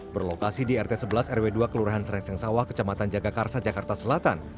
berlokasi di rt sebelas rw dua kelurahan serengseng sawah kecamatan jagakarsa jakarta selatan